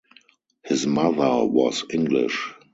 His mother was English.